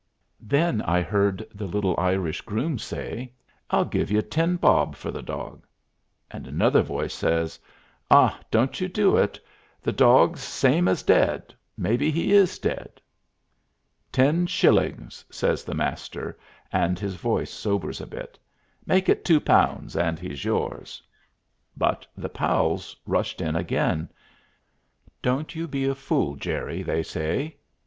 Then I heard the little Irish groom say, "I'll give you ten bob for the dog." And another voice says, "Ah, don't you do it; the dog's same as dead mebbe he is dead." "Ten shillings!" says the Master, and his voice sobers a bit; "make it two pounds and he's yours." But the pals rushed in again. "Don't you be a fool, Jerry," they say.